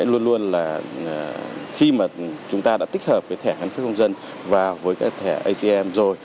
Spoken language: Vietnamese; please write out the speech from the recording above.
luôn luôn là khi mà chúng ta đã tích hợp cái thẻ căn cước công dân và với cái thẻ atm rồi